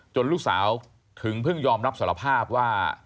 ลูกสาวถึงเพิ่งยอมรับสารภาพว่า